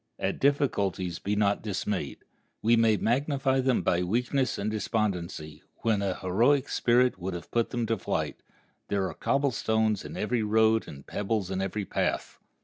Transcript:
At difficulties be not dismayed. We may magnify them by weakness and despondency, when an heroic spirit would have put them to flight. There are cobble stones in every road and pebbles in every path.